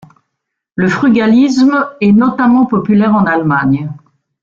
Le frugalisme est notamment populaire en Allemagne.